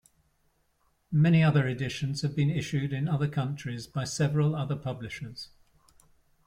Many other editions have been issued in other countries by several other publishers.